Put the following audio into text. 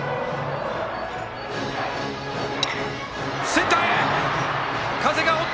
センターへ！